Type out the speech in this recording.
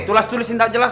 tulis tulis yang gak jelas